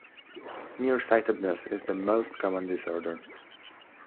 Near-sightedness is the most common disorder.